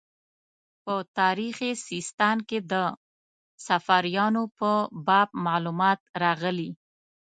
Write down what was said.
په تاریخ سیستان کې د صفاریانو په باب معلومات راغلي.